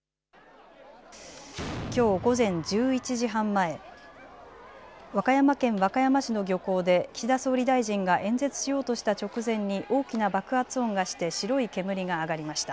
きょう午前１１時半前、和歌山県和歌山市の漁港で岸田総理大臣が演説しようとした直前に大きな爆発音がして白い煙が上がりました。